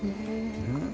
うん。